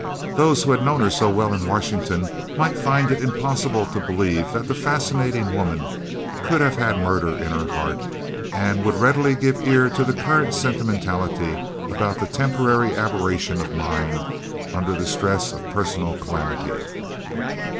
Those who had known her so well in Washington might find it impossible to believe that the fascinating woman could have had murder in her heart, and would readily give ear to the current sentimentality about the temporary aberration of mind under the stress of personal calamity.